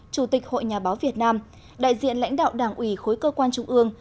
chủ tịch hội nhà báo việt nam đại diện lãnh đạo đảng ủy khối cơ quan trung ương